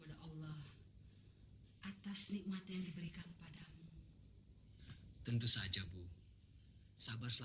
aduh nih arifin tampak ganteng aja